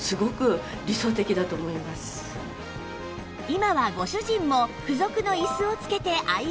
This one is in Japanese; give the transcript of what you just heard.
今はご主人も付属の椅子をつけて愛用中！